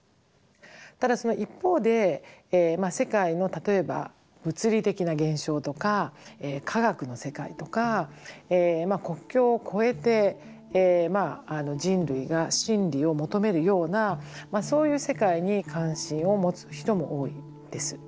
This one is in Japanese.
ただその一方で世界の例えば物理的な現象とか科学の世界とか国境を超えて人類が真理を求めるようなそういう世界に関心を持つ人も多いです。